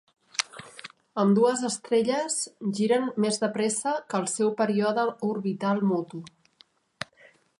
Ambdues estrelles giren més de pressa que el seu període orbital mutu.